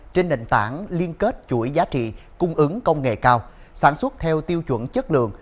trên nền tảng liên kết chuỗi giá trị cung ứng công nghệ cao sản xuất theo tiêu chuẩn chất lượng